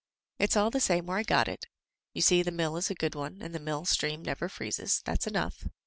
"It's all the same where I got it. You see the mill is a good one, and the mill stream never freezes. That's enough."